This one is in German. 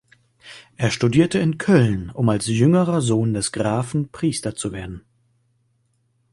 Er studierte in Köln, um als jüngerer Sohn des Grafen Priester zu werden.